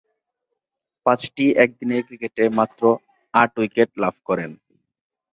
পাঁচটি একদিনের ক্রিকেটে মাত্র আট উইকেট লাভ করেন।